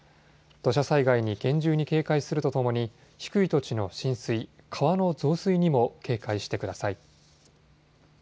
土砂災害に厳重に警戒するとともに低い土地の浸水、川の増水にも警戒してください。